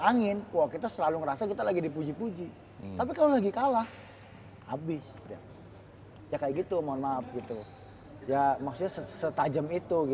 angin wah kita selalu merasa kita lagi dipuji puji tapi kalau lagi kalah habis ya kayak gitu mohon maaf